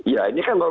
ya ini kan baru